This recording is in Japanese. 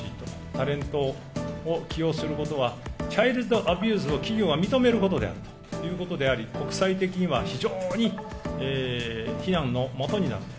タレントを起用することは、チャイルドアビューズを企業が認めるということであり、国際的には非常に非難のもとになる。